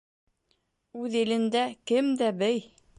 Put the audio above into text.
Үҙ илендә кем дә бей.